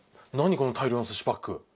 この大量のすしパック。